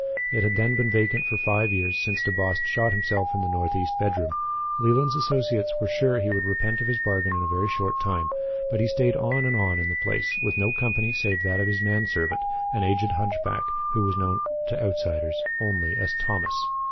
And it had then been vacant for five years since DeBost shot himself in the northeast bedroom. Leland's associates were sure he would repent of his bargain in a very short time, but he stayed on and on in the place, with no company save that of his man servant, an aged hunch back who was known to outsiders only as Thomas.